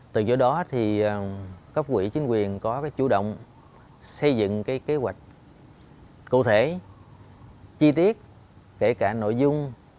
từ chỗ đó thì cấp quỹ chính quyền có cái chủ động xây dựng cái kế hoạch cụ thể chi tiết kể cả nội dung